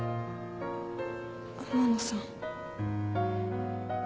天野さん。